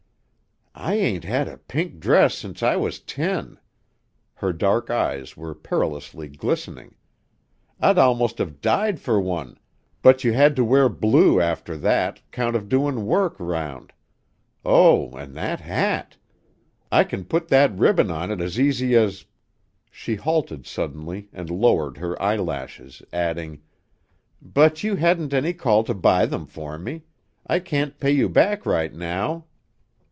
"I ain't had a pink dress since I was ten!" Her dark eyes were perilously glistening. "I'd almost have died for one, but you had to wear blue after that, 'count of doin' work 'round. Oh, an' that hat! I kin put that ribbon on it as easy as " She halted suddenly and lowered her eyelashes, adding: "But you hadn't any call to buy them for me; I can't pay you back right now."